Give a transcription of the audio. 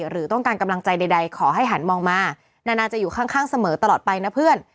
หรือต้องการกำลังใจใดขอให้หันมองมานานาจะอยู่ข้างเสมอตลอดไปนะเพื่อน